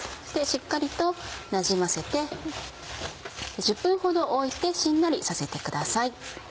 しっかりとなじませて１０分ほど置いてしんなりさせてください。